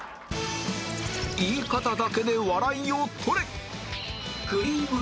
言い方だけで笑いを取れ！